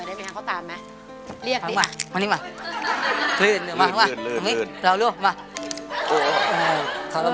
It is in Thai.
ได้มั้ยครับเรียก